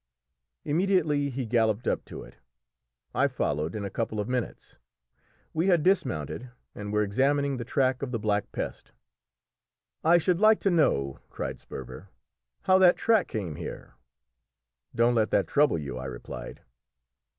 Immediately he galloped up to it; I followed in a couple of minutes; we had dismounted, and were examining the track of the Black Pest. "I should like to know," cried Sperver, "how that track came here?" "Don't let that trouble you," I replied.